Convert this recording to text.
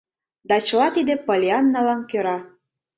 Да чыла тиде Поллианналан кӧра.